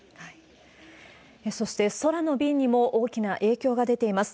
そして空の便にも大きな影響が出ています。